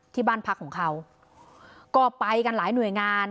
ที่บ้านพักของเขาก็ไปกันหลายหน่วยงาน